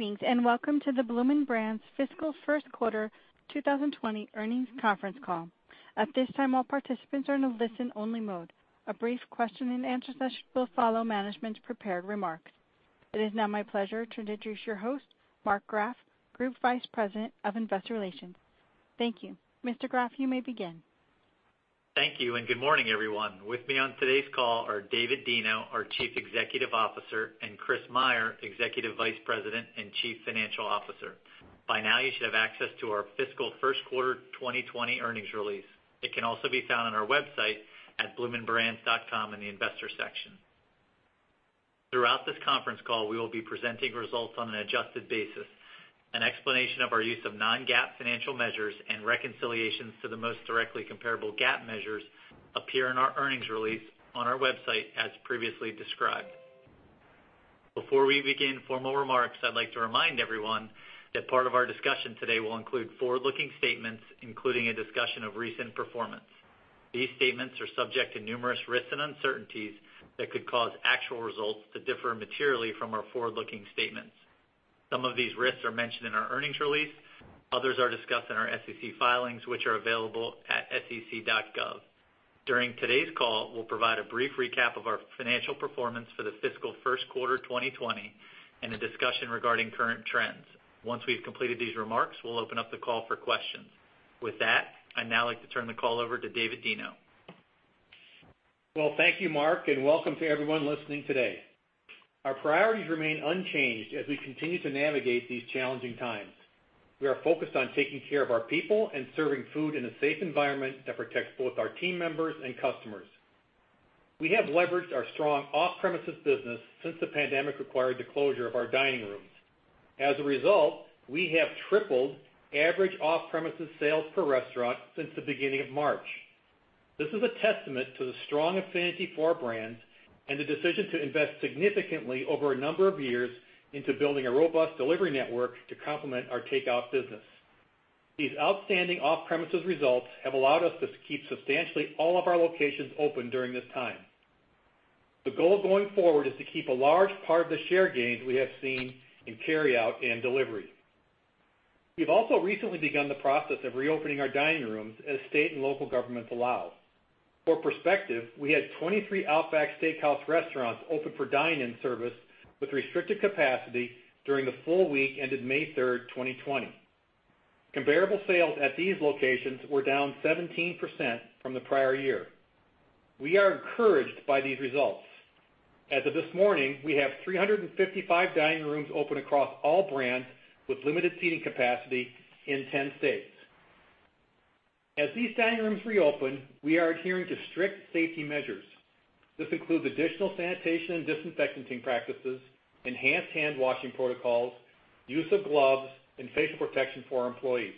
Greetings, and welcome to the Bloomin' Brands fiscal first quarter 2020 earnings conference call. At this time, all participants are in a listen-only mode. A brief question and answer session will follow management's prepared remarks. It is now my pleasure to introduce your host, Mark Graff, Group Vice President of Investor Relations. Thank you. Mr. Graff, you may begin. Thank you. Good morning, everyone. With me on today's call are David Deno, our Chief Executive Officer, and Chris Meyer, Executive Vice President and Chief Financial Officer. By now, you should have access to our fiscal first quarter 2020 earnings release. It can also be found on our website at bloominbrands.com in the Investors section. Throughout this conference call, we will be presenting results on an adjusted basis. An explanation of our use of non-GAAP financial measures and reconciliations to the most directly comparable GAAP measures appear in our earnings release on our website, as previously described. Before we begin formal remarks, I'd like to remind everyone that part of our discussion today will include forward-looking statements, including a discussion of recent performance. These statements are subject to numerous risks and uncertainties that could cause actual results to differ materially from our forward-looking statements. Some of these risks are mentioned in our earnings release. Others are discussed in our SEC filings, which are available at sec.gov. During today's call, we'll provide a brief recap of our financial performance for the fiscal first quarter 2020 and a discussion regarding current trends. Once we've completed these remarks, we'll open up the call for questions. With that, I'd now like to turn the call over to David Deno. Well, thank you, Mark, and welcome to everyone listening today. Our priorities remain unchanged as we continue to navigate these challenging times. We are focused on taking care of our people and serving food in a safe environment that protects both our team members and customers. We have leveraged our strong off-premises business since the pandemic required the closure of our dining rooms. As a result, we have tripled average off-premises sales per restaurant since the beginning of March. This is a testament to the strong affinity for our brands and the decision to invest significantly over a number of years into building a robust delivery network to complement our takeout business. These outstanding off-premises results have allowed us to keep substantially all of our locations open during this time. The goal going forward is to keep a large part of the share gains we have seen in carryout and delivery. We've also recently begun the process of reopening our dining rooms as state and local governments allow. For perspective, we had 23 Outback Steakhouse restaurants open for dine-in service with restricted capacity during the full week ended May 3rd, 2020. Comparable sales at these locations were down 17% from the prior year. We are encouraged by these results. As of this morning, we have 355 dining rooms open across all brands with limited seating capacity in 10 states. As these dining rooms reopen, we are adhering to strict safety measures. This includes additional sanitation and disinfecting practices, enhanced handwashing protocols, use of gloves, and facial protection for our employees.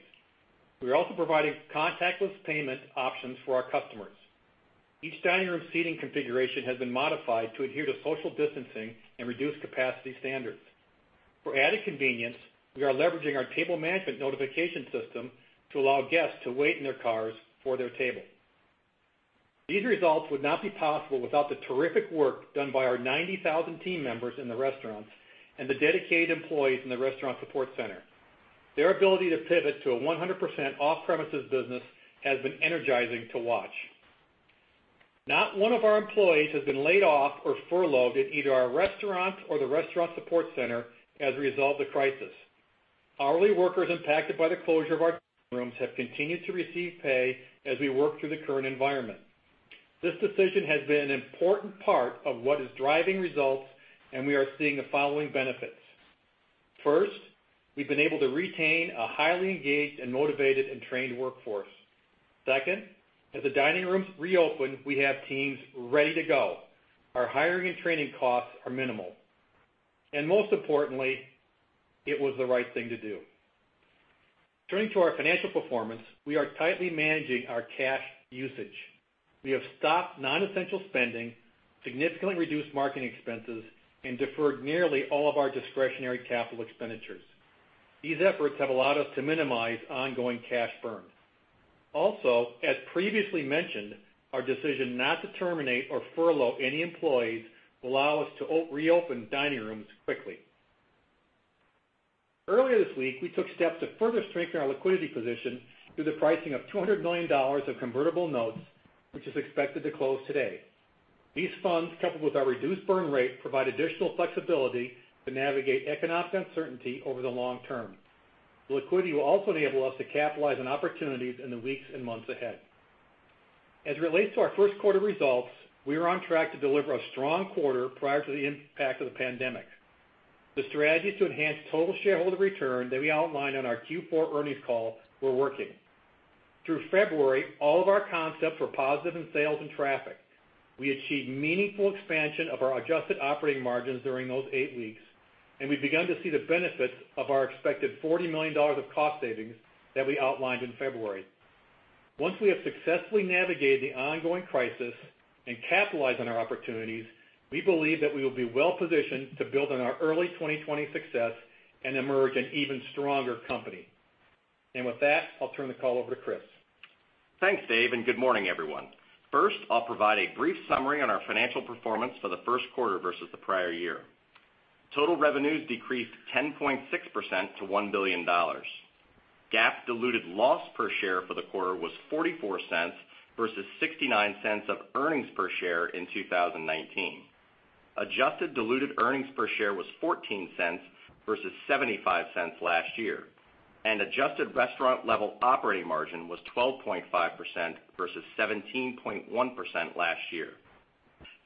We are also providing contactless payment options for our customers. Each dining room seating configuration has been modified to adhere to social distancing and reduced capacity standards. For added convenience, we are leveraging our table management notification system to allow guests to wait in their cars for their table. These results would not be possible without the terrific work done by our 90,000 team members in the restaurants and the dedicated employees in the restaurant support center. Their ability to pivot to a 100% off-premises business has been energizing to watch. Not one of our employees has been laid off or furloughed at either our restaurant or the restaurant support center as a result of the crisis. Hourly workers impacted by the closure of our dining rooms have continued to receive pay as we work through the current environment. This decision has been an important part of what is driving results, and we are seeing the following benefits. First, we've been able to retain a highly engaged and motivated and trained workforce. Second, as the dining rooms reopen, we have teams ready to go. Our hiring and training costs are minimal. Most importantly, it was the right thing to do. Turning to our financial performance, we are tightly managing our cash usage. We have stopped non-essential spending, significantly reduced marketing expenses, and deferred nearly all of our discretionary capital expenditures. These efforts have allowed us to minimize ongoing cash burn. Also, as previously mentioned, our decision not to terminate or furlough any employees will allow us to reopen dining rooms quickly. Earlier this week, we took steps to further strengthen our liquidity position through the pricing of $200 million of convertible notes, which is expected to close today. These funds, coupled with our reduced burn rate, provide additional flexibility to navigate economic uncertainty over the long term. The liquidity will also enable us to capitalize on opportunities in the weeks and months ahead. As it relates to our first quarter results, we are on track to deliver a strong quarter prior to the impact of the pandemic. The strategies to enhance total shareholder return that we outlined on our Q4 earnings call were working. Through February, all of our concepts were positive in sales and traffic. We achieved meaningful expansion of our adjusted operating margins during those eight weeks, and we began to see the benefits of our expected $40 million of cost savings that we outlined in February. Once we have successfully navigated the ongoing crisis and capitalize on our opportunities, we believe that we will be well-positioned to build on our early 2020 success and emerge an even stronger company. With that, I'll turn the call over to Chris. Thanks, Dave, and good morning, everyone. First, I'll provide a brief summary on our financial performance for the first quarter versus the prior year. Total revenues decreased 10.6% to $1 billion. GAAP diluted loss per share for the quarter was $0.44 versus $0.69 of earnings per share in 2019. Adjusted diluted earnings per share was $0.14 versus $0.75 last year, and adjusted restaurant level operating margin was 12.5% versus 17.1% last year.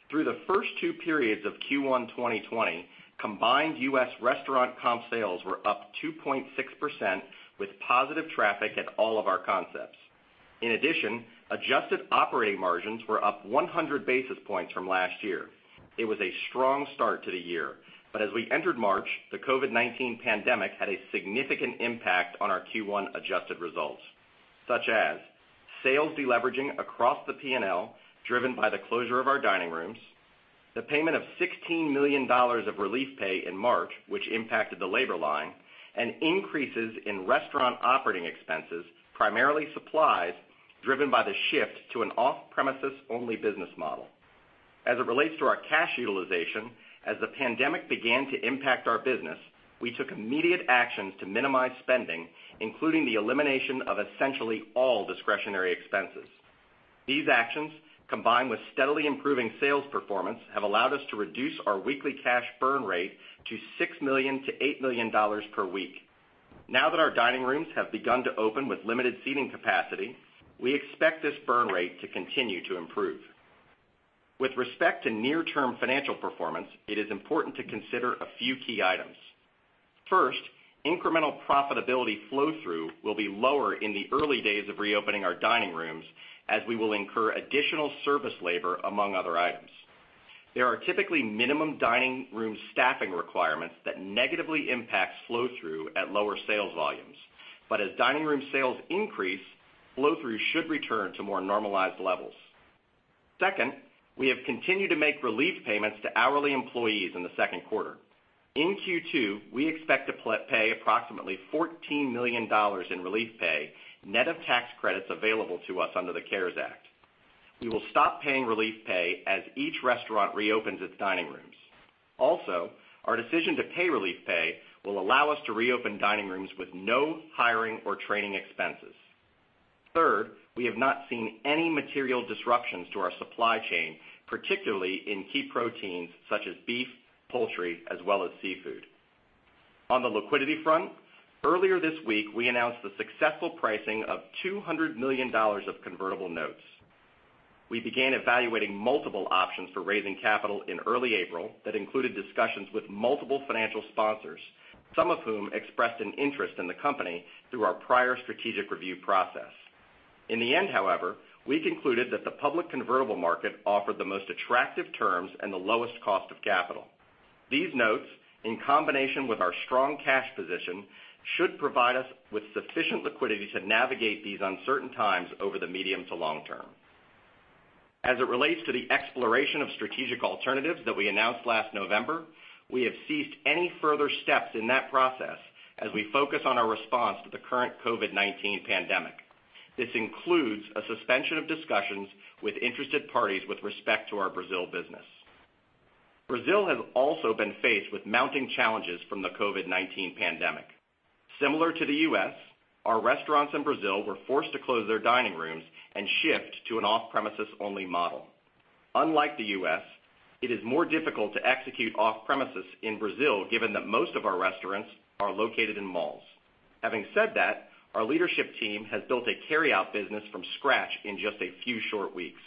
Through the first two periods of Q1 2020, combined U.S. restaurant comp sales were up 2.6%, with positive traffic at all of our concepts. In addition, adjusted operating margins were up 100 basis points from last year. It was a strong start to the year. As we entered March, the COVID-19 pandemic had a significant impact on our Q1 adjusted results, such as sales de-leveraging across the P&L, driven by the closure of our dining rooms, the payment of $16 million of relief pay in March, which impacted the labor line, and increases in restaurant operating expenses, primarily supplies, driven by the shift to an off-premises only business model. As it relates to our cash utilization, as the pandemic began to impact our business, we took immediate actions to minimize spending, including the elimination of essentially all discretionary expenses. These actions, combined with steadily improving sales performance, have allowed us to reduce our weekly cash burn rate to $6 million-$8 million per week. Now that our dining rooms have begun to open with limited seating capacity, we expect this burn rate to continue to improve. With respect to near-term financial performance, it is important to consider a few key items. First, incremental profitability flow-through will be lower in the early days of reopening our dining rooms, as we will incur additional service labor, among other items. There are typically minimum dining room staffing requirements that negatively impact flow-through at lower sales volumes. As dining room sales increase, flow-through should return to more normalized levels. Second, we have continued to make relief payments to hourly employees in the second quarter. In Q2, we expect to pay approximately $14 million in relief pay, net of tax credits available to us under the CARES Act. We will stop paying relief pay as each restaurant reopens its dining rooms. Also, our decision to pay relief pay will allow us to reopen dining rooms with no hiring or training expenses. Third, we have not seen any material disruptions to our supply chain, particularly in key proteins such as beef, poultry, as well as seafood. On the liquidity front, earlier this week, we announced the successful pricing of $200 million of convertible notes. We began evaluating multiple options for raising capital in early April that included discussions with multiple financial sponsors, some of whom expressed an interest in the company through our prior strategic review process. In the end, however, we concluded that the public convertible market offered the most attractive terms and the lowest cost of capital. These notes, in combination with our strong cash position, should provide us with sufficient liquidity to navigate these uncertain times over the medium to long term. As it relates to the exploration of strategic alternatives that we announced last November, we have ceased any further steps in that process as we focus on our response to the current COVID-19 pandemic. This includes a suspension of discussions with interested parties with respect to our Brazil business. Brazil has also been faced with mounting challenges from the COVID-19 pandemic. Similar to the U.S., our restaurants in Brazil were forced to close their dining rooms and shift to an off-premises only model. Unlike the U.S., it is more difficult to execute off-premises in Brazil, given that most of our restaurants are located in malls. Having said that, our leadership team has built a carryout business from scratch in just a few short weeks.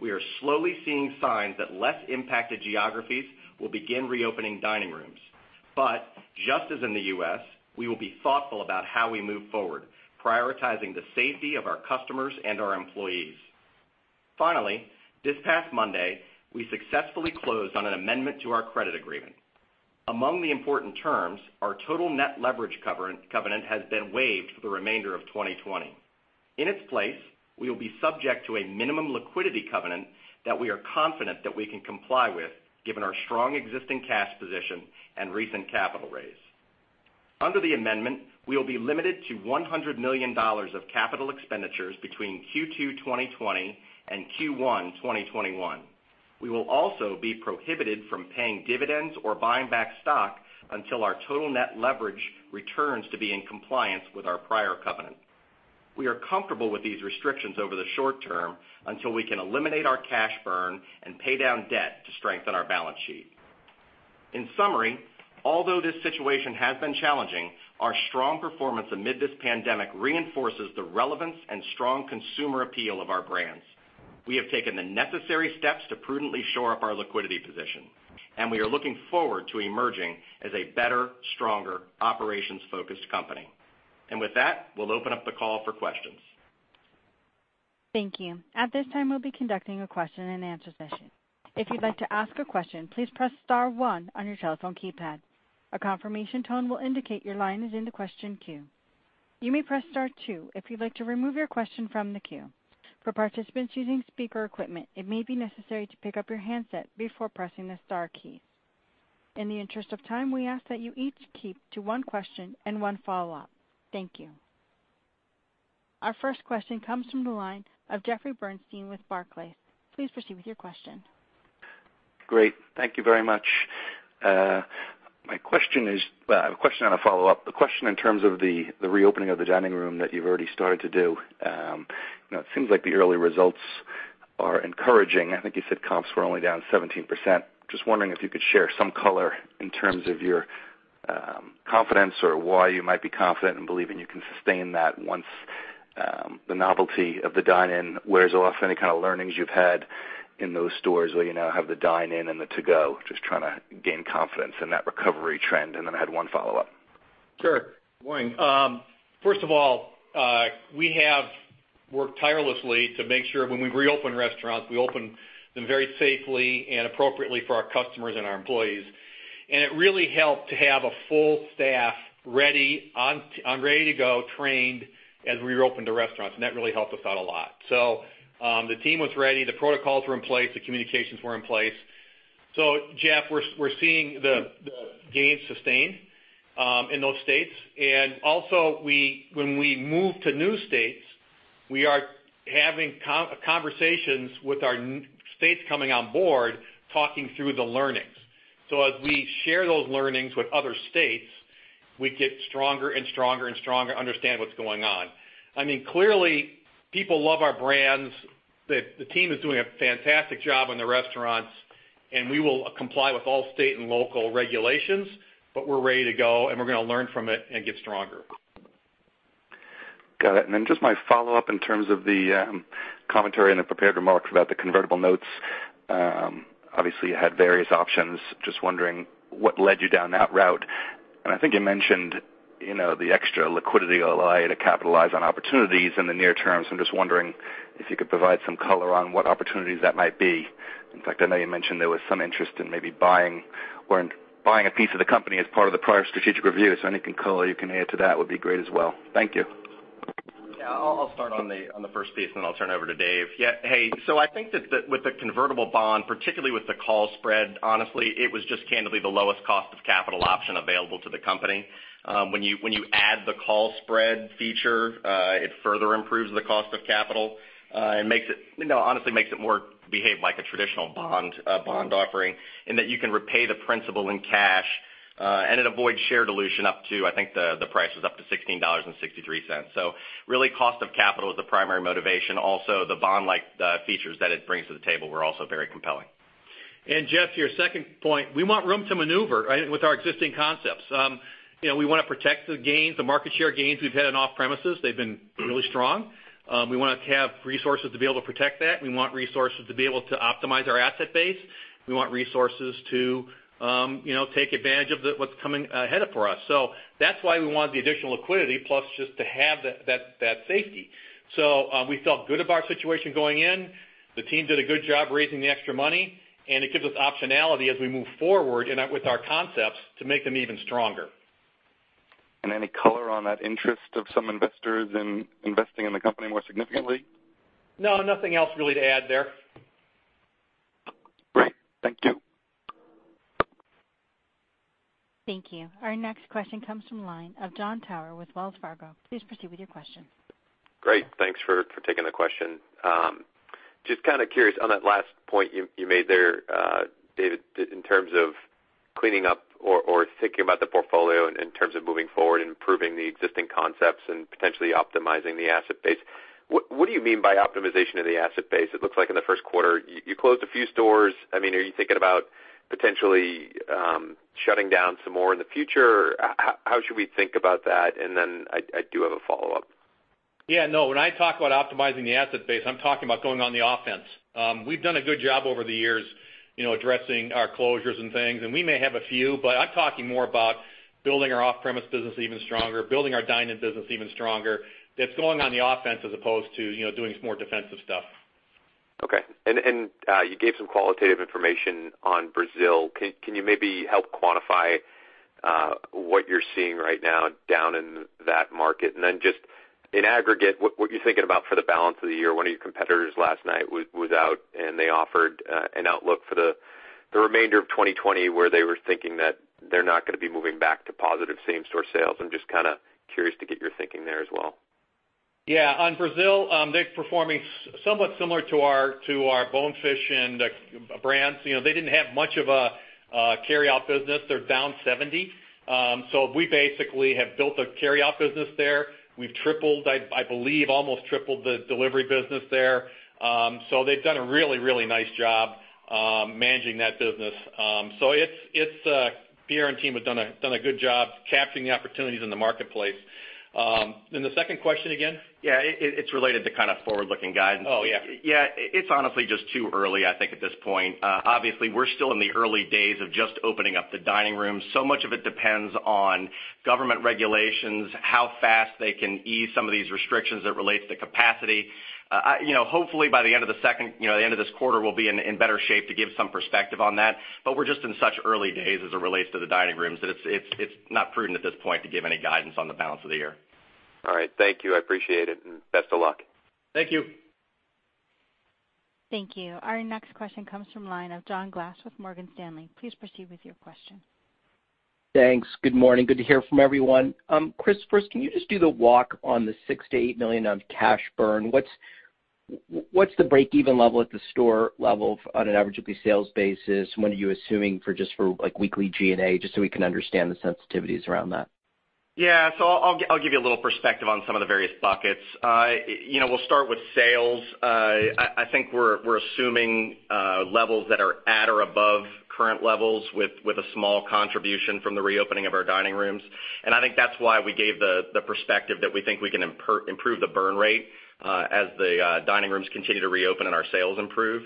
We are slowly seeing signs that less impacted geographies will begin reopening dining rooms. Just as in the U.S., we will be thoughtful about how we move forward, prioritizing the safety of our customers and our employees. Finally, this past Monday, we successfully closed on an amendment to our credit agreement. Among the important terms, our total net leverage covenant has been waived for the remainder of 2020. In its place, we will be subject to a minimum liquidity covenant that we are confident that we can comply with given our strong existing cash position and recent capital raise. Under the amendment, we will be limited to $100 million of capital expenditures between Q2 2020 and Q1 2021. We will also be prohibited from paying dividends or buying back stock until our total net leverage returns to be in compliance with our prior covenant. We are comfortable with these restrictions over the short term until we can eliminate our cash burn and pay down debt to strengthen our balance sheet. In summary, although this situation has been challenging, our strong performance amid this pandemic reinforces the relevance and strong consumer appeal of our brands. We have taken the necessary steps to prudently shore up our liquidity position, and we are looking forward to emerging as a better, stronger, operations-focused company. With that, we'll open up the call for questions. Thank you. At this time, we'll be conducting a question and answer session. If you'd like to ask a question, please press star one on your telephone keypad. A confirmation tone will indicate your line is in the question queue. You may press Star two if you'd like to remove your question from the queue. For participants using speaker equipment, it may be necessary to pick up your handset before pressing the star keys. In the interest of time, we ask that you each keep to one question and one follow-up. Thank you. Our first question comes from the line of Jeffrey Bernstein with Barclays. Please proceed with your question. Great. Thank you very much. My question. Well, I have a question and a follow-up. The question in terms of the reopening of the dining room that you've already started to do. It seems like the early results are encouraging. I think you said comps were only down 17%. Just wondering if you could share some color in terms of your confidence or why you might be confident in believing you can sustain that once the novelty of the dine-in wears off, any kind of learnings you've had in those stores where you now have the dine-in and the to-go. Just trying to gain confidence in that recovery trend. I had one follow-up. Sure. Good morning. First of all, we have worked tirelessly to make sure when we reopen restaurants, we open them very safely and appropriately for our customers and our employees. It really helped to have a full staff ready and ready to go, trained as we reopened the restaurants, and that really helped us out a lot. The team was ready, the protocols were in place, the communications were in place. Jeff, we're seeing the gains sustained in those states. Also when we move to new states, we are having conversations with our states coming on board, talking through the learnings. As we share those learnings with other states, we get stronger and stronger and stronger, understand what's going on. Clearly, people love our brands. The team is doing a fantastic job in the restaurants, and we will comply with all state and local regulations, but we're ready to go, and we're going to learn from it and get stronger. Got it. Just my follow-up in terms of the commentary in the prepared remarks about the convertible notes. Obviously, you had various options. Just wondering what led you down that route. I think you mentioned the extra liquidity will allow you to capitalize on opportunities in the near term. I'm just wondering if you could provide some color on what opportunities that might be. In fact, I know you mentioned there was some interest in maybe buying a piece of the company as part of the prior strategic review. Anything color you can add to that would be great as well. Thank you. Yeah. I'll start on the first piece, then I'll turn it over to Dave. Hey, I think that with the convertible bond, particularly with the call spread, honestly, it was just candidly the lowest cost of capital option available to the company. When you add the call spread feature, it further improves the cost of capital, and honestly makes it more behave like a traditional bond offering in that you can repay the principal in cash, and it avoids share dilution up to, I think, the price was up to $16.63. Really cost of capital is the primary motivation. Also, the bond-like features that it brings to the table were also very compelling. Jeff, to your second point, we want room to maneuver with our existing concepts. We want to protect the gains, the market share gains we've had in off-premises. They've been really strong. We want to have resources to be able to protect that. We want resources to be able to optimize our asset base. We want resources to take advantage of what's coming ahead for us. That's why we wanted the additional liquidity plus just to have that safety. We felt good of our situation going in. The team did a good job raising the extra money, and it gives us optionality as we move forward with our concepts to make them even stronger. Any color on that interest of some investors in investing in the company more significantly? No, nothing else really to add there. Great. Thank you. Thank you. Our next question comes from the line of Jon Tower with Wells Fargo. Please proceed with your question. Great. Thanks for taking the question. Just kind of curious on that last point you made there, David, in terms of cleaning up or thinking about the portfolio in terms of moving forward and improving the existing concepts and potentially optimizing the asset base. What do you mean by optimization of the asset base? It looks like in the first quarter you closed a few stores. Are you thinking about potentially shutting down some more in the future? How should we think about that? I do have a follow-up. Yeah, no. When I talk about optimizing the asset base, I'm talking about going on the offense. We've done a good job over the years addressing our closures and things, and we may have a few, but I'm talking more about building our off-premise business even stronger, building our dine-in business even stronger. That's going on the offense as opposed to doing some more defensive stuff. Okay. You gave some qualitative information on Brazil. Can you maybe help quantify what you're seeing right now down in that market? Then just in aggregate, what are you thinking about for the balance of the year? One of your competitors last night was out, and they offered an outlook for the remainder of 2020 where they were thinking that they're not going to be moving back to positive same-store sales. I'm just curious to get your thinking there as well. Yeah. On Brazil, they're performing somewhat similar to our Bonefish Grill and brands. They didn't have much of a carryout business. They're down 70%. We basically have built a carryout business there. We've tripled, I believe, almost tripled the delivery business there. They've done a really, really nice job managing that business. Pierre and team have done a good job capturing the opportunities in the marketplace. The second question again? Yeah. It's related to forward-looking guidance. Oh, yeah. It's honestly just too early, I think, at this point. We're still in the early days of just opening up the dining room. Much of it depends on government regulations, how fast they can ease some of these restrictions that relate to capacity. Hopefully by the end of this quarter, we'll be in better shape to give some perspective on that. We're just in such early days as it relates to the dining rooms that it's not prudent at this point to give any guidance on the balance of the year. All right. Thank you. I appreciate it, and best of luck. Thank you. Thank you. Our next question comes from line of John Glass with Morgan Stanley. Please proceed with your question. Thanks. Good morning. Good to hear from everyone. Chris, first, can you just do the walk on the $6 million-$8 million of cash burn? What's the break-even level at the store level on an average weekly sales basis? What are you assuming for just for weekly G&A, just so we can understand the sensitivities around that? Yeah. I'll give you a little perspective on some of the various buckets. We'll start with sales. I think we're assuming levels that are at or above current levels with a small contribution from the reopening of our dining rooms. I think that's why we gave the perspective that we think we can improve the burn rate as the dining rooms continue to reopen and our sales improve.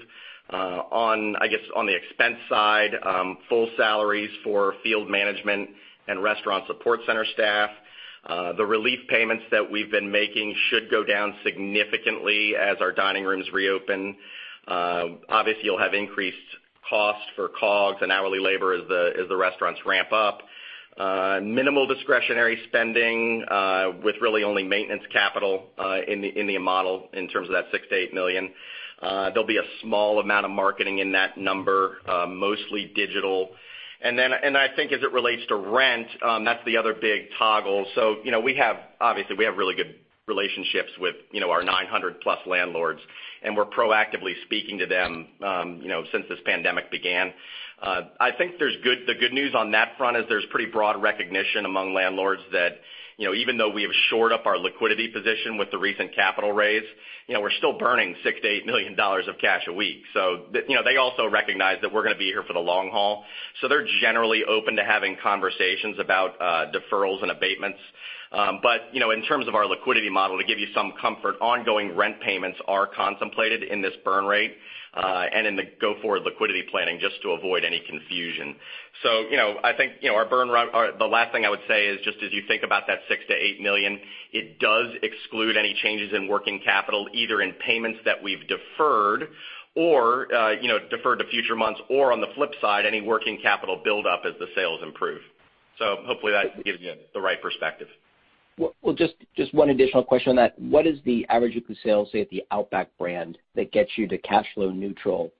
I guess on the expense side, full salaries for field management and restaurant support center staff. The relief payments that we've been making should go down significantly as our dining rooms reopen. Obviously, you'll have increased cost for COGS and hourly labor as the restaurants ramp up. Minimal discretionary spending with really only maintenance capital in the model in terms of that $6 million-$8 million. There'll be a small amount of marketing in that number, mostly digital. I think as it relates to rent, that's the other big toggle. Obviously, we have really good relationships with our 900+ landlords, and we're proactively speaking to them since this pandemic began. I think the good news on that front is there's pretty broad recognition among landlords that even though we have shored up our liquidity position with the recent capital raise, we're still burning $6 million-$8 million of cash a week. They also recognize that we're going to be here for the long haul, so they're generally open to having conversations about deferrals and abatements. In terms of our liquidity model, to give you some comfort, ongoing rent payments are contemplated in this burn rate and in the go-forward liquidity planning, just to avoid any confusion. The last thing I would say is, just as you think about that $6 million-$8 million, it does exclude any changes in working capital, either in payments that we've deferred to future months or, on the flip side, any working capital buildup as the sales improve. Hopefully, that gives you the right perspective. Well, just one additional question on that. What is the average weekly sales, say, at the Outback brand that gets you to cash flow neutral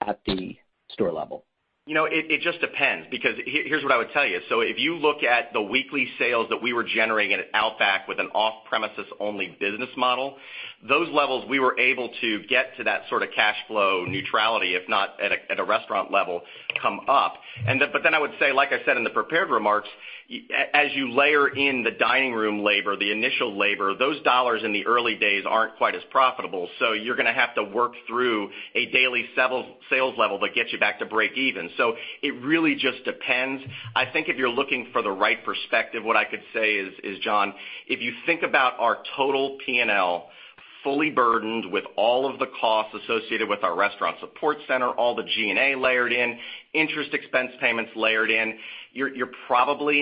at the store level? It just depends, because here's what I would tell you. If you look at the weekly sales that we were generating at Outback with an off-premises only business model, those levels we were able to get to that sort of cash flow neutrality, if not at a restaurant level, come up. I would say, like I said in the prepared remarks, as you layer in the dining room labor, the initial labor, those dollars in the early days aren't quite as profitable. You're going to have to work through a daily sales level that gets you back to breakeven. It really just depends. I think if you're looking for the right perspective, what I could say is, John, if you think about our total P&L fully burdened with all of the costs associated with our restaurant support center, all the G&A layered in, interest expense payments layered in.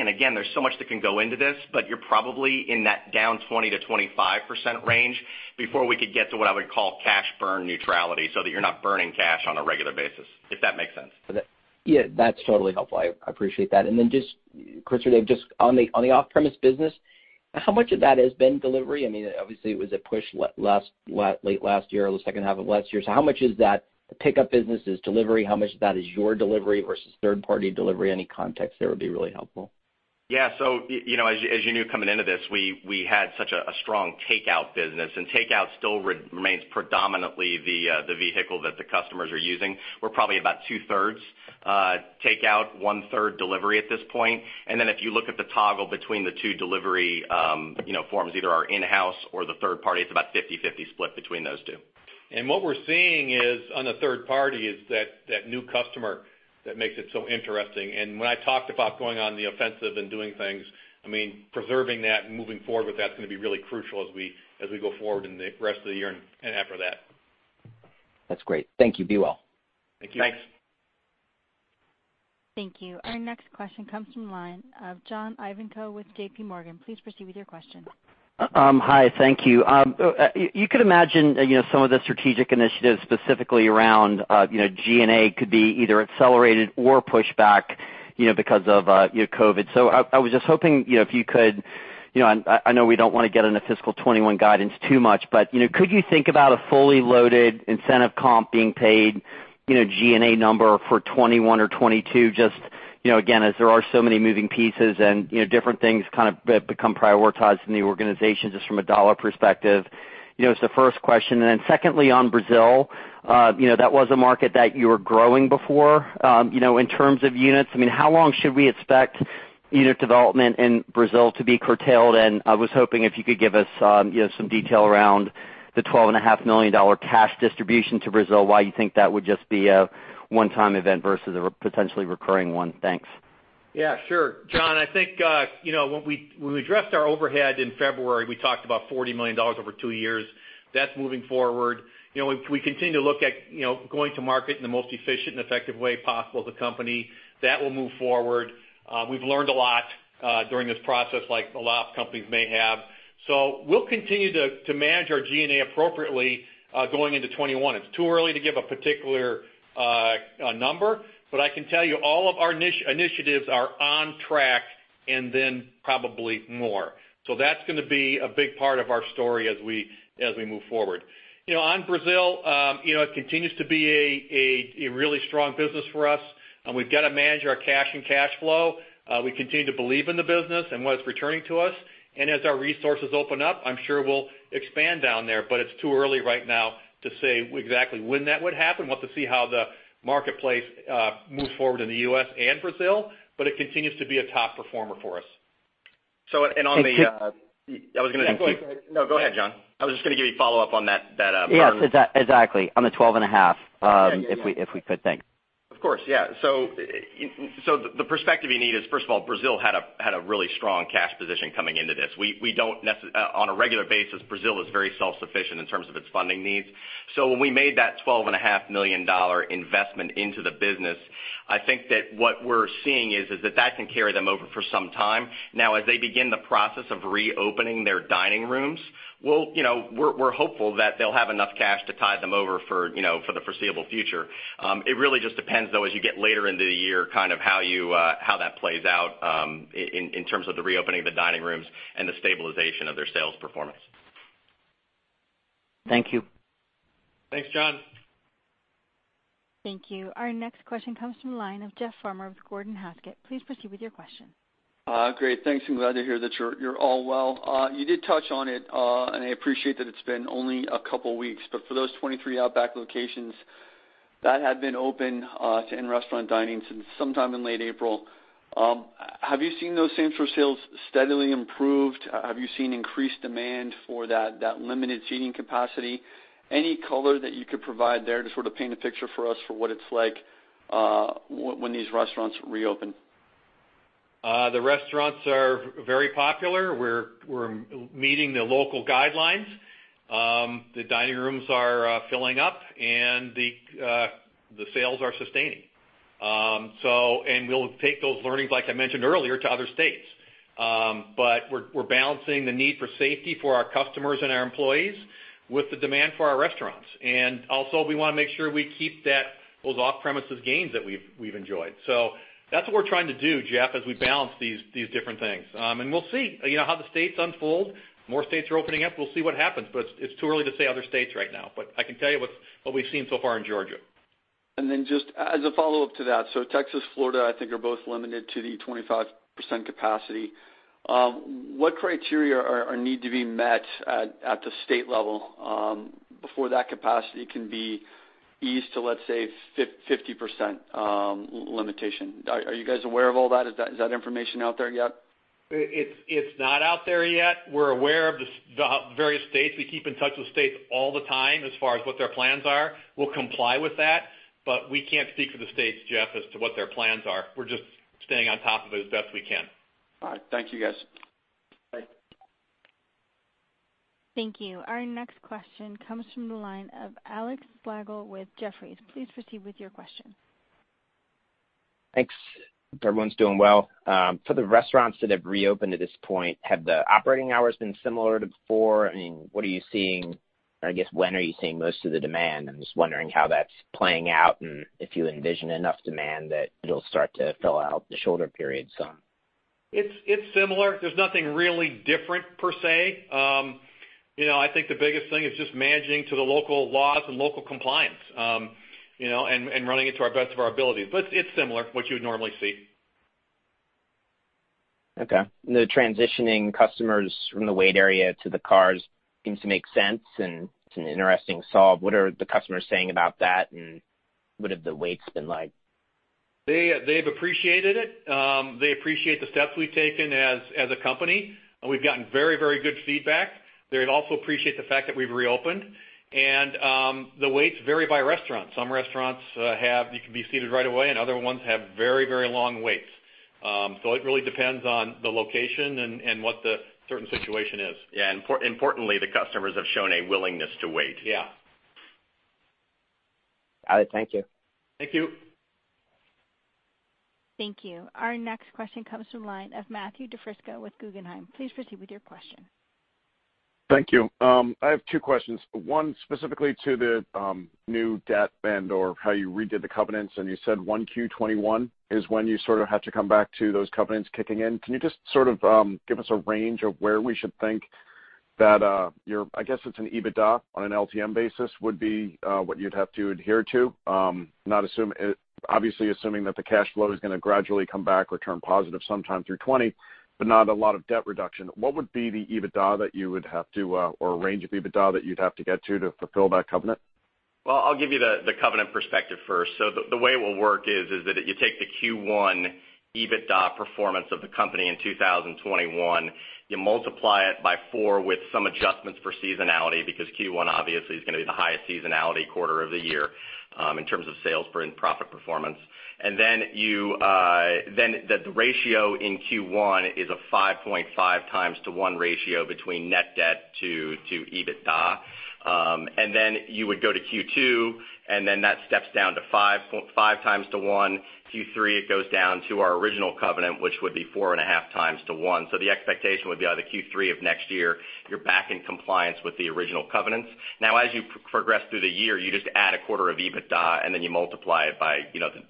Again, there's so much that can go into this, but you're probably in that down 20%-25% range before we could get to what I would call cash burn neutrality, so that you're not burning cash on a regular basis, if that makes sense. Yeah, that's totally helpful. I appreciate that. Just, Chris or Dave, just on the off-premise business, how much of that has been delivery? Obviously, it was a push late last year or the second half of last year. How much is that the pickup business is delivery? How much of that is your delivery versus third-party delivery? Any context there would be really helpful. As you knew coming into this, we had such a strong takeout business. Takeout still remains predominantly the vehicle that the customers are using. We're probably about 2/3 takeout, 1/3 delivery at this point. If you look at the toggle between the two delivery forms, either our in-house or the third party, it's about 50-50 split between those two. What we're seeing is on the third party is that new customer that makes it so interesting. When I talked about going on the offensive and doing things, preserving that and moving forward with that is going to be really crucial as we go forward in the rest of the year and after that. That's great. Thank you. Be well. Thank you. Thanks. Thank you. Our next question comes from line of John Ivankoe with JPMorgan. Please proceed with your question. Hi. Thank you. You could imagine some of the strategic initiatives specifically around G&A could be either accelerated or pushed back because of COVID. I know we don't want to get into fiscal 2021 guidance too much, but could you think about a fully loaded incentive comp being paid G&A number for 2021 or 2022? Just again, as there are so many moving pieces and different things kind of become prioritized in the organization just from a dollar perspective is the first question. Secondly, on Brazil, that was a market that you were growing before. In terms of units, how long should we expect unit development in Brazil to be curtailed? I was hoping if you could give us some detail around the $12.5 million cash distribution to Brazil, why you think that would just be a one-time event versus a potentially recurring one? Thanks. Yeah, sure. John, I think when we addressed our overhead in February, we talked about $40 million over two years. That's moving forward. We continue to look at going to market in the most efficient and effective way possible as a company. That will move forward. We've learned a lot during this process, like a lot of companies may have. We'll continue to manage our G&A appropriately going into 2021. It's too early to give a particular number, but I can tell you all of our initiatives are on track. That's going to be a big part of our story as we move forward. On Brazil, it continues to be a really strong business for us, and we've got to manage our cash and cash flow. We continue to believe in the business and what it's returning to us. As our resources open up, I'm sure we'll expand down there, but it's too early right now to say exactly when that would happen. We'll have to see how the marketplace moves forward in the U.S. and Brazil, but it continues to be a top performer for us. So, and on the. Thank you. I was going to. Go ahead. No, go ahead, John. I was just going to give you follow-up on that. Yes, exactly. Yeah. If we could. Thanks. Of course, yeah. The perspective you need is, first of all, Brazil had a really strong cash position coming into this. On a regular basis, Brazil is very self-sufficient in terms of its funding needs. When we made that $12.5 million investment into the business, I think that what we're seeing is that that can carry them over for some time. As they begin the process of reopening their dining rooms, we're hopeful that they'll have enough cash to tide them over for the foreseeable future. It really just depends, though, as you get later into the year, how that plays out in terms of the reopening of the dining rooms and the stabilization of their sales performance. Thank you. Thanks, John. Thank you. Our next question comes from the line of Jeff Farmer with Gordon Haskett. Please proceed with your question. Great. Thanks. I'm glad to hear that you're all well. You did touch on it, and I appreciate that it's been only a couple of weeks, but for those 23 Outback locations that had been open to in-restaurant dining since sometime in late April, have you seen those same store sales steadily improved? Have you seen increased demand for that limited seating capacity? Any color that you could provide there to sort of paint a picture for us for what it's like when these restaurants reopen. The restaurants are very popular. We're meeting the local guidelines. The dining rooms are filling up and the sales are sustaining. We'll take those learnings, like I mentioned earlier, to other states. We're balancing the need for safety for our customers and our employees with the demand for our restaurants. Also, we want to make sure we keep those off-premises gains that we've enjoyed. That's what we're trying to do, Jeff, as we balance these different things. We'll see how the states unfold. More states are opening up. We'll see what happens, but it's too early to say other states right now. I can tell you what we've seen so far in Georgia. Just as a follow-up to that, Texas, Florida, I think, are both limited to the 25% capacity. What criteria need to be met at the state level before that capacity can be eased to, let's say, 50% limitation? Are you guys aware of all that? Is that information out there yet? It's not out there yet. We're aware of the various states. We keep in touch with states all the time as far as what their plans are. We'll comply with that. We can't speak for the states, Jeff, as to what their plans are. We're just staying on top of it as best we can. All right. Thank you guys. Bye. Thank you. Our next question comes from the line of Alex Slagle with Jefferies. Please proceed with your question. Thanks. Everyone's doing well. For the restaurants that have reopened at this point, have the operating hours been similar to before? What are you seeing, or I guess when are you seeing most of the demand? I'm just wondering how that's playing out and if you envision enough demand that it'll start to fill out the shoulder periods some. It's similar. There's nothing really different per se. I think the biggest thing is just managing to the local laws and local compliance, and running it to our best of our ability. It's similar, what you would normally see. Okay. Transitioning customers from the wait area to the cars seems to make sense, and it's an interesting solve. What are the customers saying about that, and what have the waits been like? They've appreciated it. They appreciate the steps we've taken as a company. We've gotten very, very good feedback. They also appreciate the fact that we've reopened. The waits vary by restaurant. Some restaurants you can be seated right away, and other ones have very, very long waits. It really depends on the location and what the certain situation is. Yeah, importantly, the customers have shown a willingness to wait. Yeah. All right. Thank you. Thank you. Thank you. Our next question comes from line of Matthew DiFrisco with Guggenheim. Please proceed with your question. Thank you. I have two questions. One specifically to the new debt and/or how you redid the covenants. You said 1Q 2021 is when you sort of have to come back to those covenants kicking in. Can you just sort of give us a range of where we should think that your, I guess it's an EBITDA on an LTM basis would be what you'd have to adhere to. Obviously assuming that the cash flow is going to gradually come back or turn positive sometime through 2020, but not a lot of debt reduction. What would be the EBITDA that you would have to, or range of EBITDA that you'd have to get to fulfill that covenant? Well, I'll give you the covenant perspective first. The way it will work is that you take the Q1 EBITDA performance of the company in 2021, you multiply it by four with some adjustments for seasonality, because Q1 obviously is going to be the highest seasonality quarter of the year in terms of sales and profit performance. Then the ratio in Q1 is a 5.5x to 1 ratio between net debt to EBITDA. Then you would go to Q2, and then that steps down to 5x-1x. Q3, it goes down to our original covenant, which would be 4.5x-1x. The expectation would be by the Q3 of next year, you're back in compliance with the original covenants. As you progress through the year, you just add a quarter of EBITDA, and then you multiply it by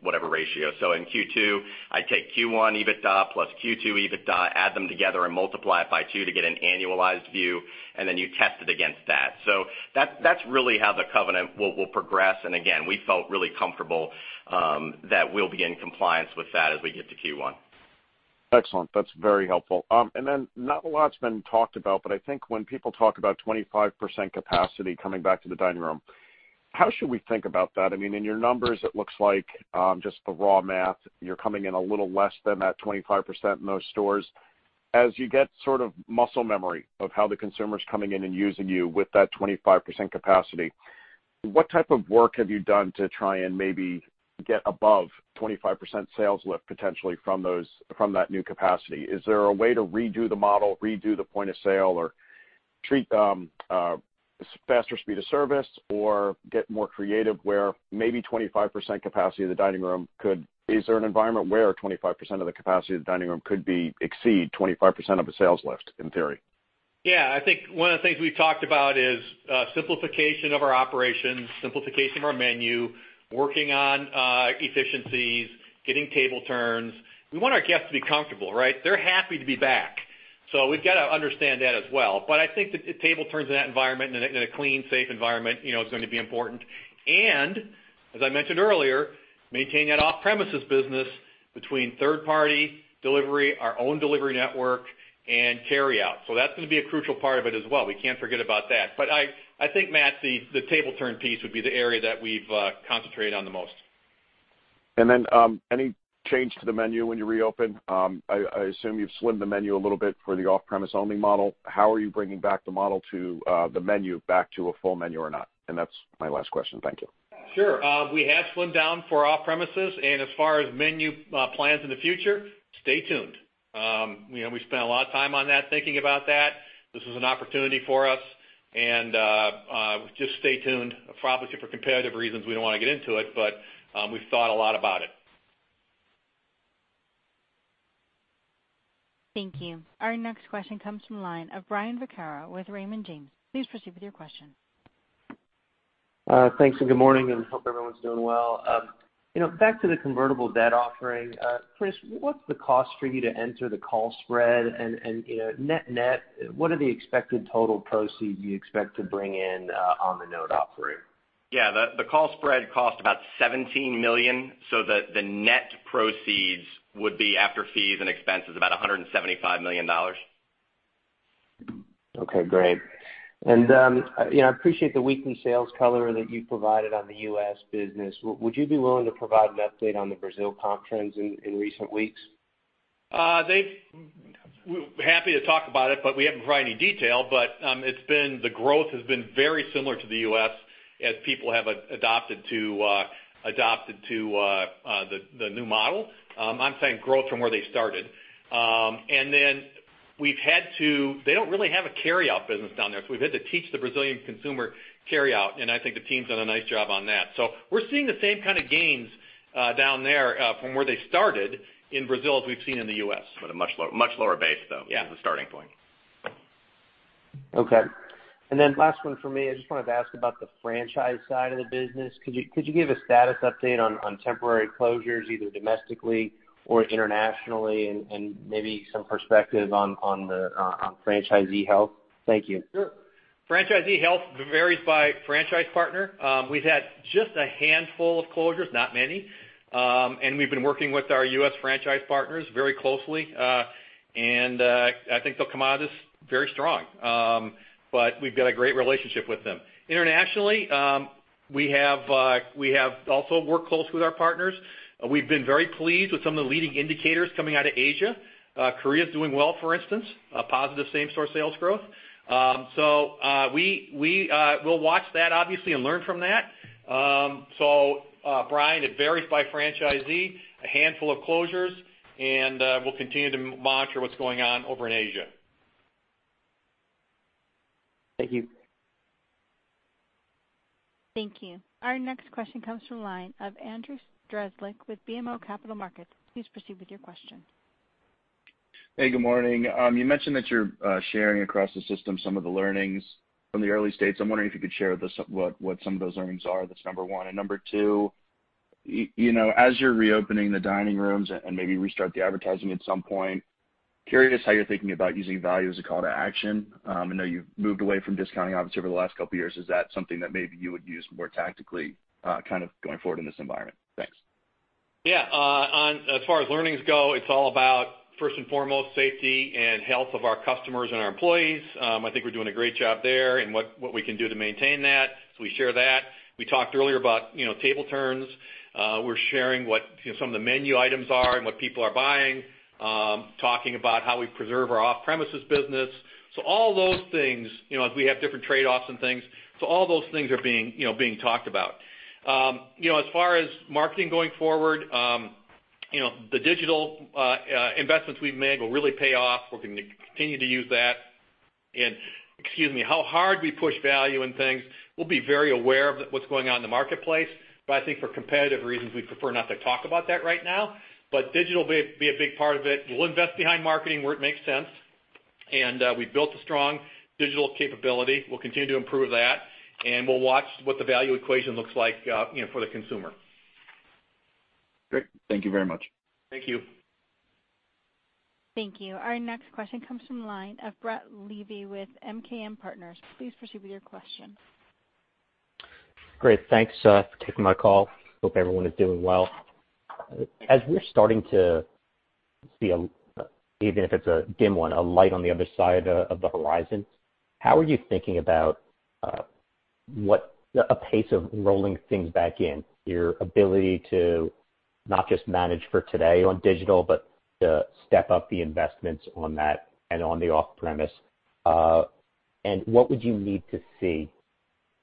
whatever ratio. In Q2, I take Q1 EBITDA plus Q2 EBITDA, add them together, and multiply it by two to get an annualized view, and then you test it against that. That's really how the covenant will progress. Again, we felt really comfortable that we'll be in compliance with that as we get to Q1. Excellent. That's very helpful. Not a lot's been talked about, but I think when people talk about 25% capacity coming back to the dining room, how should we think about that? In your numbers, it looks like just the raw math, you're coming in a little less than that 25% in most stores. As you get sort of muscle memory of how the consumer's coming in and using you with that 25% capacity, what type of work have you done to try and maybe get above 25% sales lift potentially from that new capacity? Is there a way to redo the model, redo the point of sale, or treat faster speed of service, or get more creative? Is there an environment where 25% of the capacity of the dining room could exceed 25% of a sales lift, in theory? Yeah. I think one of the things we've talked about is simplification of our operations, simplification of our menu, working on efficiencies, getting table turns. We want our guests to be comfortable, right? They're happy to be back. We've got to understand that as well. I think the table turns in that environment, in a clean, safe environment is going to be important. As I mentioned earlier, maintain that off-premises business between third party delivery, our own delivery network, and carry out. That's going to be a crucial part of it as well. We can't forget about that. I think, Matt, the table turn piece would be the area that we've concentrated on the most. Any change to the menu when you reopen? I assume you've slimmed the menu a little bit for the off-premise only model. How are you bringing back the model to the menu back to a full menu or not? That's my last question. Thank you. Sure. We have slimmed down for off-premises. As far as menu plans in the future, stay tuned. We spent a lot of time on that, thinking about that. This is an opportunity for us. Just stay tuned. Obviously, for competitive reasons, we don't want to get into it, but we've thought a lot about it. Thank you. Our next question comes from the line of Brian Vaccaro with Raymond James. Please proceed with your question. Thanks. Good morning, and hope everyone's doing well. Back to the convertible debt offering. Chris, what's the cost for you to enter the call spread and net net, what are the expected total proceeds you expect to bring in on the note offering? Yeah. The call spread cost about $17 million. The net proceeds would be after fees and expenses, about $175 million. Okay, great. I appreciate the weekly sales color that you provided on the U.S. business. Would you be willing to provide an update on the Brazil comp trends in recent weeks? We're happy to talk about it, but we haven't provided any detail. The growth has been very similar to the U.S. as people have adopted to the new model. I'm saying growth from where they started. They don't really have a carry out business down there, so we've had to teach the Brazilian consumer carry out, and I think the team's done a nice job on that. We're seeing the same kind of gains down there from where they started in Brazil as we've seen in the U.S. A much lower base, though. Yeah. As a starting point. Okay. Last one for me, I just wanted to ask about the franchise side of the business. Could you give a status update on temporary closures, either domestically or internationally, and maybe some perspective on franchisee health? Thank you. Sure. Franchisee health varies by franchise partner. We've had just a handful of closures, not many. We've been working with our U.S. franchise partners very closely. I think they'll come out of this very strong. We've got a great relationship with them. Internationally, we have also worked closely with our partners. We've been very pleased with some of the leading indicators coming out of Asia. Korea's doing well, for instance. A positive same-store sales growth. We'll watch that, obviously, and learn from that. Brian, it varies by franchisee, a handful of closures, and we'll continue to monitor what's going on over in Asia. Thank you. Thank you. Our next question comes from the line of Andrew Strelzik with BMO Capital Markets. Please proceed with your question. Hey, good morning. You mentioned that you're sharing across the system some of the learnings from the early states. I'm wondering if you could share what some of those learnings are. That's number one. Number two, as you're reopening the dining rooms and maybe restart the advertising at some point, curious how you're thinking about using value as a call to action. I know you've moved away from discounting, obviously, over the last couple of years. Is that something that maybe you would use more tactically going forward in this environment? Thanks. Yeah. As far as learnings go, it's all about, first and foremost, safety and health of our customers and our employees. I think we're doing a great job there and what we can do to maintain that. We share that. We talked earlier about table turns. We're sharing what some of the menu items are and what people are buying. Talking about how we preserve our off-premises business. All those things, as we have different trade-offs and things. All those things are being talked about. As far as marketing going forward, the digital investments we've made will really pay off. We're going to continue to use that. Excuse me, how hard we push value and things, we'll be very aware of what's going on in the marketplace. I think for competitive reasons, we'd prefer not to talk about that right now. Digital will be a big part of it. We'll invest behind marketing where it makes sense, and we've built a strong digital capability. We'll continue to improve that, and we'll watch what the value equation looks like for the consumer. Great. Thank you very much. Thank you. Thank you. Our next question comes from the line of Brett Levy with MKM Partners. Please proceed with your question. Great. Thanks for taking my call. Hope everyone is doing well. As we're starting to see, even if it's a dim one, a light on the other side of the horizon, how are you thinking about a pace of rolling things back in, your ability to not just manage for today on digital, but to step up the investments on that and on the off-premise? What would you need to see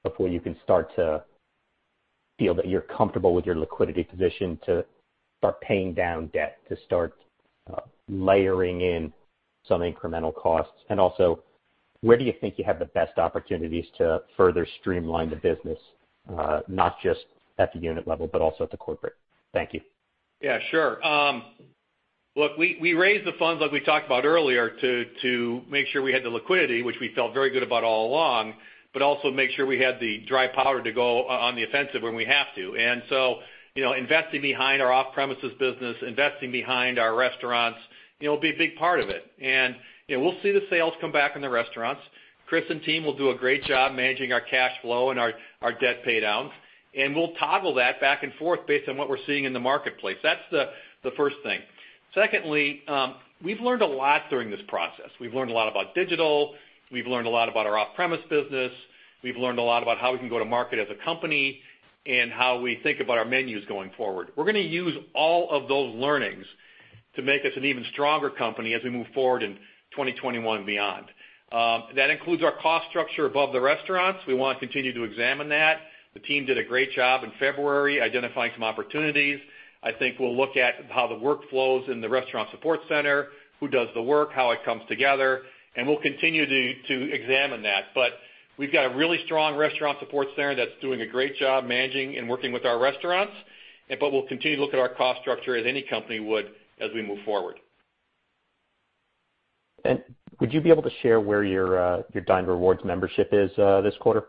before you can start to feel that you're comfortable with your liquidity position to start paying down debt, to start layering in some incremental costs? Also, where do you think you have the best opportunities to further streamline the business, not just at the unit level, but also at the corporate? Thank you. Yeah, sure. Look, we raised the funds like we talked about earlier to make sure we had the liquidity, which we felt very good about all along, but also make sure we had the dry powder to go on the offensive when we have to. Investing behind our off-premises business, investing behind our restaurants, will be a big part of it. We'll see the sales come back in the restaurants. Chris and team will do a great job managing our cash flow and our debt paydowns, and we'll toggle that back and forth based on what we're seeing in the marketplace. That's the first thing. Secondly, we've learned a lot during this process. We've learned a lot about digital. We've learned a lot about our off-premise business. We've learned a lot about how we can go to market as a company and how we think about our menus going forward. We're going to use all of those learnings to make us an even stronger company as we move forward in 2021 and beyond. That includes our cost structure above the restaurants. We want to continue to examine that. The team did a great job in February identifying some opportunities. I think we'll look at how the workflows in the restaurant support center, who does the work, how it comes together, and we'll continue to examine that. We've got a really strong restaurant support center that's doing a great job managing and working with our restaurants, we'll continue to look at our cost structure as any company would as we move forward. Would you be able to share where your Dine Rewards membership is this quarter?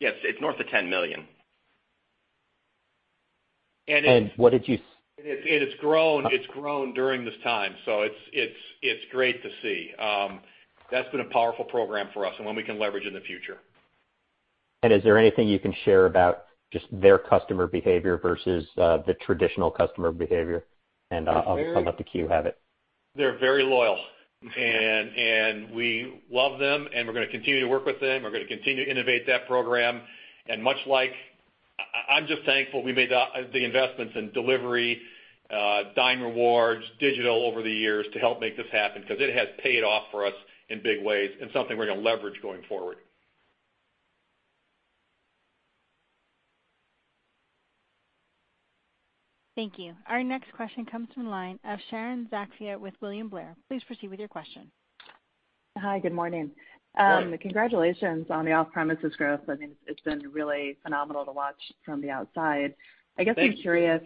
Yes. It's north of $10 million. And what did you. It's grown during this time, so it's great to see. That's been a powerful program for us and one we can leverage in the future. Is there anything you can share about just their customer behavior versus the traditional customer behavior? I'll let the queue have it. They're very loyal. We love them, and we're going to continue to work with them. We're going to continue to innovate that program. I'm just thankful we made the investments in delivery, Dine Rewards, digital over the years to help make this happen because it has paid off for us in big ways and something we're going to leverage going forward. Thank you. Our next question comes from the line of Sharon Zackfia with William Blair. Please proceed with your question. Hi, good morning. Good morning. Congratulations on the off-premises growth. I mean, it's been really phenomenal to watch from the outside. Thank you.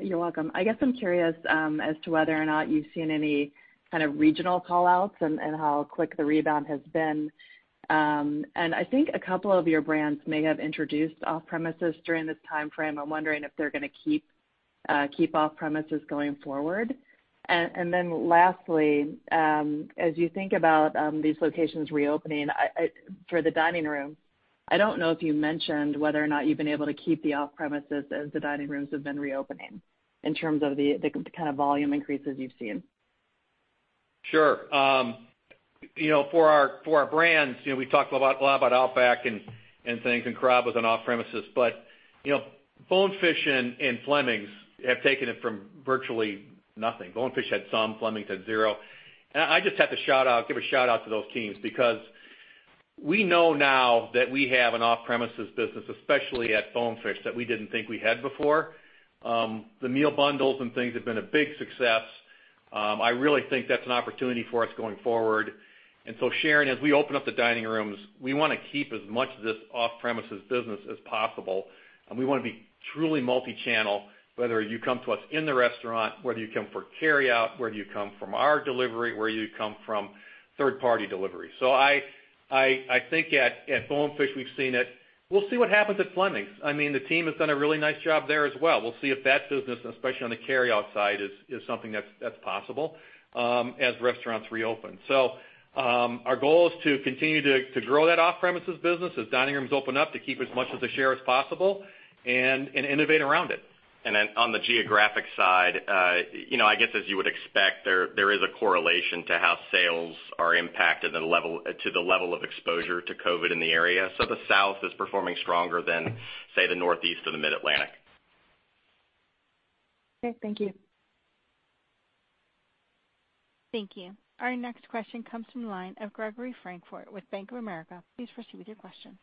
You're welcome. I guess I'm curious as to whether or not you've seen any kind of regional call-outs and how quick the rebound has been. I think a couple of your brands may have introduced off-premises during this timeframe. I'm wondering if they're going to keep off-premises going forward. Lastly, as you think about these locations reopening, for the dining room, I don't know if you mentioned whether or not you've been able to keep the off-premises as the dining rooms have been reopening in terms of the kind of volume increases you've seen. Sure. For our brands, we talked a lot about Outback and things, Carrabba's on off-premises. Bonefish and Fleming's have taken it from virtually nothing. Bonefish had some, Fleming's had zero. I just have to give a shout-out to those teams because we know now that we have an off-premises business, especially at Bonefish, that we didn't think we had before. The meal bundles and things have been a big success. I really think that's an opportunity for us going forward. Sharon, as we open up the dining rooms, we want to keep as much of this off-premises business as possible, and we want to be truly multi-channel, whether you come to us in the restaurant, whether you come for carryout, whether you come from our delivery, whether you come from third-party delivery. I think at Bonefish, we've seen it. We'll see what happens at Fleming's. I mean, the team has done a really nice job there as well. We'll see if that business, especially on the carryout side, is something that's possible as restaurants reopen. Our goal is to continue to grow that off-premises business as dining rooms open up to keep as much of the share as possible and innovate around it. On the geographic side, I guess as you would expect, there is a correlation to how sales are impacted to the level of exposure to COVID in the area. The South is performing stronger than, say, the Northeast or the Mid-Atlantic. Okay. Thank you. Thank you. Our next question comes from the line of Gregory Francfort with Bank of America. Please proceed with your question.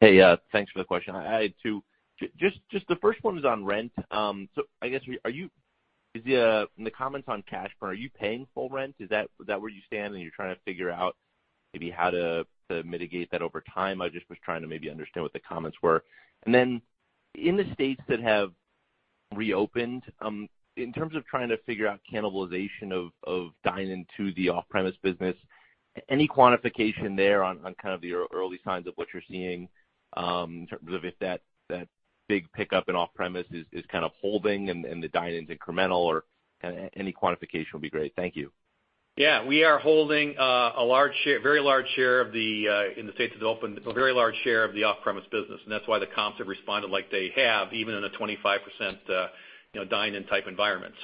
Hey, thanks for the question. I had two. The first one was on rent. I guess, from the comments on cash burn, are you paying full rent? Is that where you stand, and you're trying to figure out maybe how to mitigate that over time? I just was trying to maybe understand what the comments were. In the states that have reopened, in terms of trying to figure out cannibalization of dine-in to the off-premise business, any quantification there on kind of the early signs of what you're seeing, in terms of if that big pickup in off-premise is kind of holding and the dine-in's incremental, or any quantification would be great. Thank you. Yeah. We are holding a very large share, in the states that are open, a very large share of the off-premise business, and that's why the comps have responded like they have, even in a 25% dine-in type environment.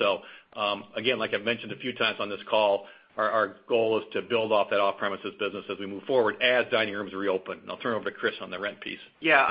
Again, like I've mentioned a few times on this call, our goal is to build off that off-premises business as we move forward as dining rooms reopen. I'll turn it over to Chris on the rent piece. Yeah.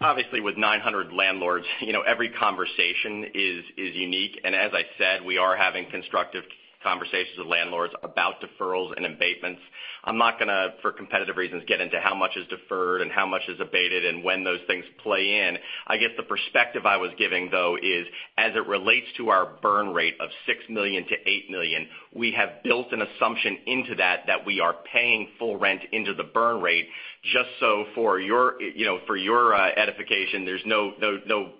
Obviously, with 900 landlords, every conversation is unique. As I said, we are having constructive conversations with landlords about deferrals and abatements. I'm not going to, for competitive reasons, get into how much is deferred and how much is abated and when those things play in. I guess the perspective I was giving, though, is as it relates to our burn rate of $6 million-$8 million, we have built an assumption into that we are paying full rent into the burn rate. For your edification, there's no,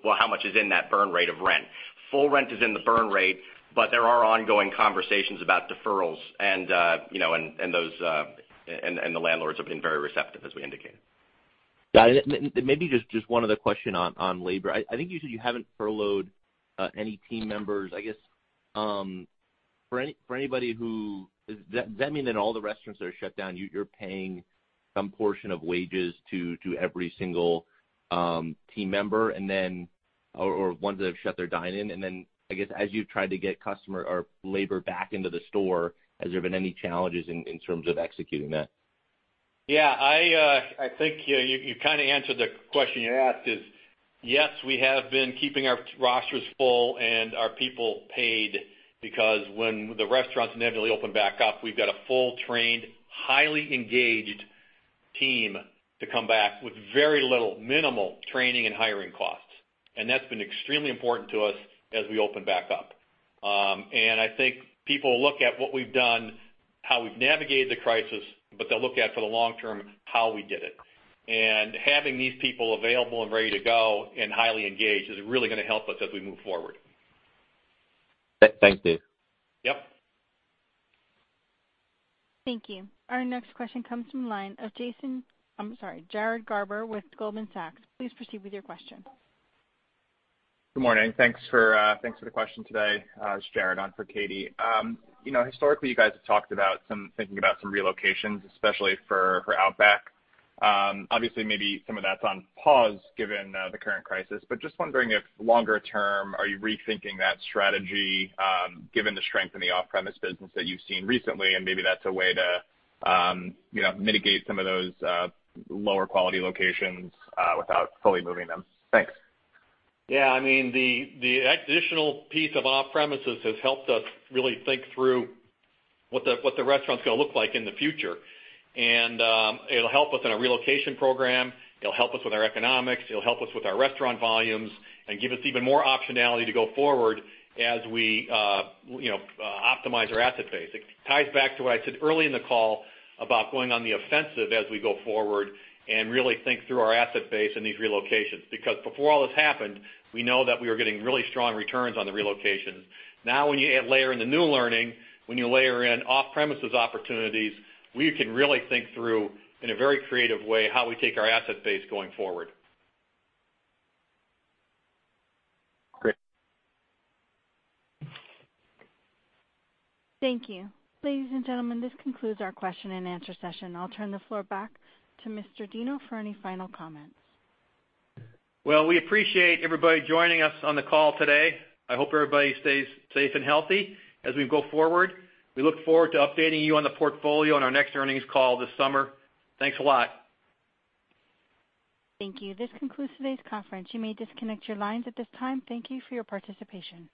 "Well, how much is in that burn rate of rent?" Full rent is in the burn rate, but there are ongoing conversations about deferrals, and the landlords have been very receptive, as we indicated. Got it. Maybe just one other question on labor. I think you said you haven't furloughed any team members. I guess, for anybody, does that mean in all the restaurants that are shut down, you're paying some portion of wages to every single team member, or ones that have shut their dine-in? Then, I guess, as you've tried to get labor back into the store, has there been any challenges in terms of executing that? Yeah. I think you kind of answered the question you asked is, yes, we have been keeping our rosters full and our people paid because when the restaurants inevitably open back up, we've got a full, trained, highly engaged team to come back with very little, minimal training and hiring costs. That's been extremely important to us as we open back up. I think people look at what we've done, how we've navigated the crisis, but they'll look at, for the long term, how we did it. Having these people available and ready to go and highly engaged is really going to help us as we move forward. Thank you. Yep. Thank you. Our next question comes from the line of Jason, I'm sorry, Jared Garber with Goldman Sachs. Please proceed with your question. Good morning. Thanks for the question today. It's Jared on for Katie. Historically, you guys have talked about thinking about some relocations, especially for Outback. Obviously, maybe some of that's on pause given the current crisis. Just wondering if longer term, are you rethinking that strategy given the strength in the off-premise business that you've seen recently, and maybe that's a way to mitigate some of those lower quality locations without fully moving them. Thanks. Yeah. I mean, the additional piece of off-premises has helped us really think through what the restaurant's going to look like in the future. It'll help us in a relocation program. It'll help us with our economics. It'll help us with our restaurant volumes and give us even more optionality to go forward as we optimize our asset base. It ties back to what I said early in the call about going on the offensive as we go forward and really think through our asset base and these relocations. Because before all this happened, we know that we were getting really strong returns on the relocations. Now when you layer in the new learning, when you layer in off-premises opportunities, we can really think through, in a very creative way, how we take our asset base going forward. Great. Thank you. Ladies and gentlemen, this concludes our question and answer session. I'll turn the floor back to Mr. Deno for any final comments. Well, we appreciate everybody joining us on the call today. I hope everybody stays safe and healthy as we go forward. We look forward to updating you on the portfolio on our next earnings call this summer. Thanks a lot. Thank you. This concludes today's conference. You may disconnect your lines at this time. Thank you for your participation.